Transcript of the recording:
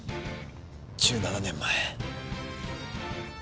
１７年前。